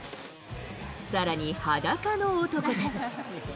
さらに裸の男たち。